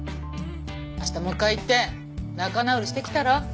明日もう一回行って仲直りしてきたら？